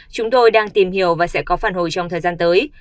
chúng tôi đang tìm hiểu và sẽ có phản hồi trong thời gian tới